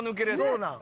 そうなん？